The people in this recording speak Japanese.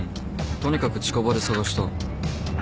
とにかく近場で探した。